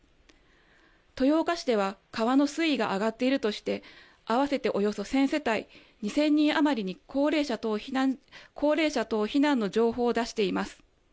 豊岡市では川の水位が上がっているとして、合わせておよそ１０００世帯２０００人余りに、高齢者等避難の情報を出しています。